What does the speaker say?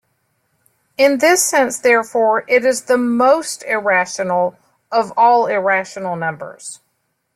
In this sense, therefore, it is the "most irrational" of all irrational numbers.